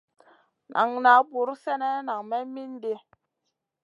Nan na buur sènè nang may mindi.